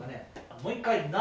もう一回「な」